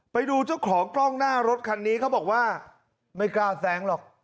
ไปดูเจ้าของกล้องหน้ารถคันนี้เขาบอกว่าไม่กล้าแซงหรอก